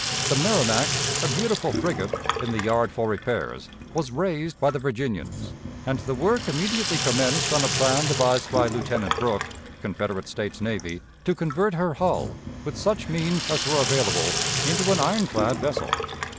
The Merrimac, a beautiful frigate, in the yard for repairs, was raised by the Virginians, and the work immediately commenced, on a plan devised by Lieutenant Brooke, Confederate States Navy, to convert her hull, with such means as were available, into an iron clad vessel.